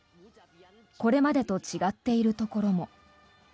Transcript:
これまでと違っているところも。